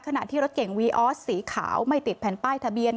ขณะที่รถเก่งวีออสสีขาวไม่ติดแผ่นป้ายทะเบียน